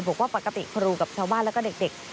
บอกว่าปกติครูกับชาวบ้านแล้วก็เด็ก